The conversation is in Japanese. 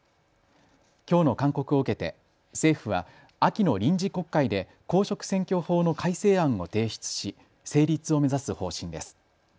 きょうの勧告を受けて政府は秋の臨時国会で公職選挙法の改正案を提出し成立を目指す方針です。